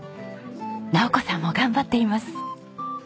尚子さんも頑張っています。